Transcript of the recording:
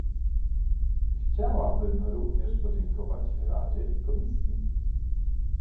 Chciałabym również podziękować Radzie i Komisji